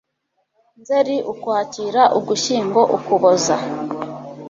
NZERI, UKWAKIRA, UGUSHYINGO, UKUBOZA